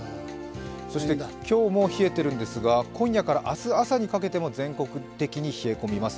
今日も冷えているんですが、今夜から明日朝にかけても全国的に冷え込みます。